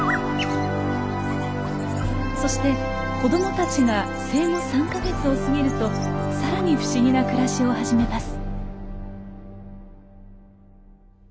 そして子供たちが生後３か月を過ぎると更に不思議な暮らしを始めます。